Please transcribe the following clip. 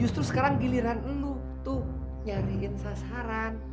justru sekarang giliran nu tuh nyariin sasaran